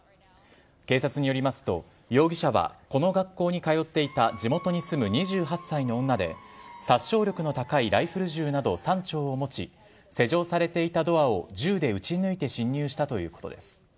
警察によりますと、容疑者はこの学校に通っていた、地元に住む２８歳の女で、殺傷力の高いライフル銃など３丁を持ち、施錠されていたドアを銃で撃ち抜いて侵入したということです。